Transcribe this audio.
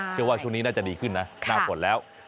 เชื่อว่าช่วงนี้น่าจะดีขึ้นนะน่าผ่นแล้ว